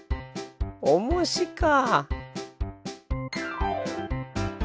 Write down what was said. おもしか。